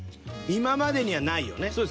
今までにはないよね。